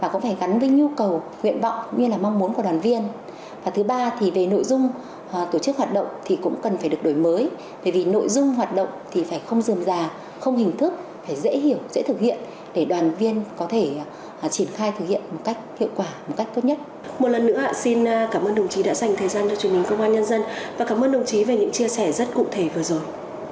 cảm ơn đồng chí đã dành thời gian cho chúng mình công an nhân dân và cảm ơn đồng chí về những chia sẻ rất cụ thể vừa rồi